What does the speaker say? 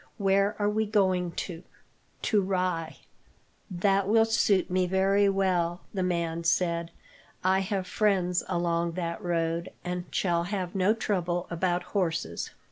"Where are we going to?" "To Rye." "That will suit me very well," the man said. "I have friends along that road, and shall have no trouble about horses."